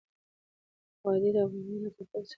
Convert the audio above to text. وادي د افغانانو د تفریح یوه وسیله ده.